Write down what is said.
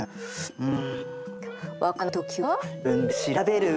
うん。